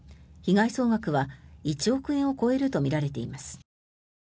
被害総額は１億円を超えるとみられています。